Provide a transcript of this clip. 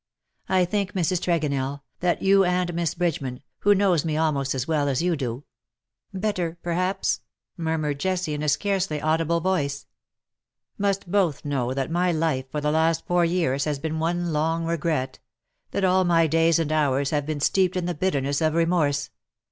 I think, Mrs. Tregonell, that you and Miss Bridgeman, who knows me almost as well as you do ^^" Better, perhaps/' murmured Jessie, in a scarcely audible voice. " Must both know that my life for the last four years has been one long regret — that all my days and hours have been steeped in the bitterness of remorse.